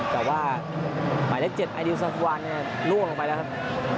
แต่ว่าใหม่ได้๗ไอดิลสาธารณ์เนี่ยล่วงลงไปแล้วครับ